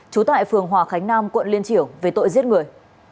trú tại phường hòa khánh nam quận liên triểu về tội giết người